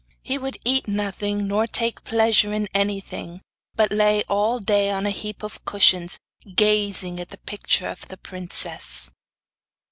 He would eat nothing nor take pleasure in anything, but lay all day on a heap of cushions, gazing at the picture of the princess.